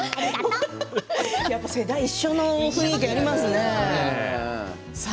世代、一緒の雰囲気がありますね。